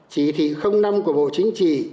chỉ thị năm của bộ chính trị